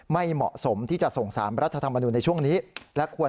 ไม่เหมาะสมที่จะส่ง๓รัฐธรรมนุนในช่วงนี้และควร